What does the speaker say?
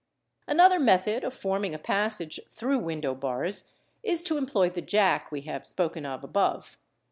Another method of forming a passage through window bars is to employ the jack we have spoken of above.